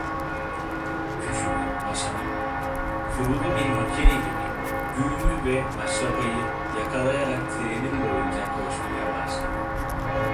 Küçük Haşan, kurulu bir makine gibi, güğümü ve maşrapayı yakalayarak trenin boyunca koşmaya başladı.